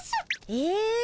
え？